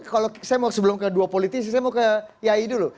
kalau saya mau sebelum ke dua politisi saya mau ke yayi dulu